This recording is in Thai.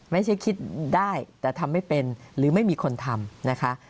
ไม่ใช่คิดได้แต่ทำไม่เป็นหรือไม่มีคนทำนะคะ